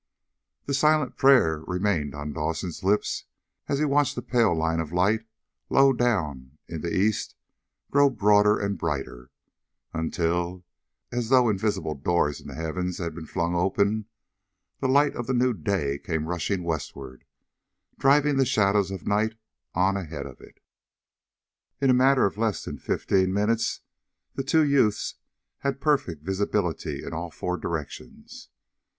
The silent prayer remained on Dawson's lips as he watched the pale line of light low down in the east grow broader and brighter, until, as though invisible doors in the heavens had been flung open, the light of the new day came rushing westward, driving the shadows of night on ahead of it. In a matter of less than fifteen minutes the two youths had perfect visibility in all four directions.